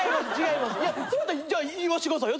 いやそれやったらじゃあ言わしてくださいよ